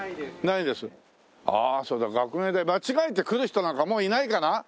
ああそれじゃあ学芸大間違えて来る人なんかもういないかな？